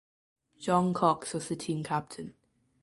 John Cox was the team captain.